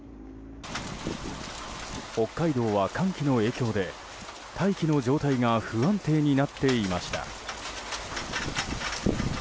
北海道は寒気の影響で大気の状態が不安定になっていました。